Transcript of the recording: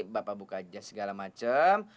bapak buka jas segala macam